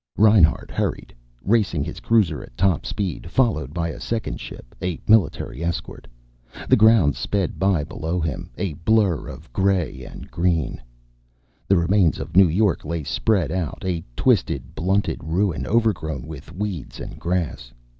Reinhart hurried, racing his cruiser at top speed, followed by a second ship, a military escort. The ground sped by below him, a blur of gray and green. The remains of New York lay spread out, a twisted, blunted ruin overgrown with weeds and grass.